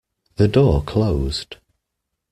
The door closed.